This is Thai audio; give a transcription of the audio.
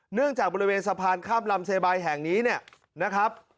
เนื่องจากบริเวณสะพานข้ามลำเซบายแห่งนี้เนี่ยนะครับ